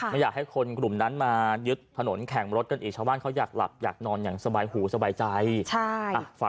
เพราะความรำคาญเนาะรำคาญมากเนาะ